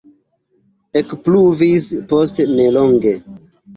Ekpluvis post nelonge.